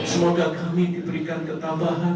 semoga kami diberikan ketambahan